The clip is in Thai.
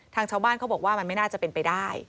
ชาวบ้านเขาบอกว่ามันไม่น่าจะเป็นไปได้